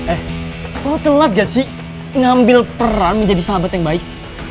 eh lo telat gak sih ngambil peran menjadi sahabat yang baik